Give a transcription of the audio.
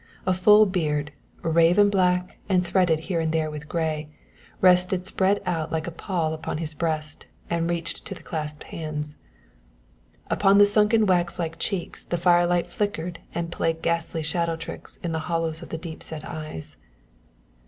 A full beard, raven black and threaded here and there with grey, rested spread out like a pall upon his breast and reached to the clasped hands. Upon the sunken wax like cheeks the firelight flickered and played ghastly shadow tricks in the hollows of the deep set eyes.